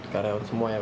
karyawan semuanya pak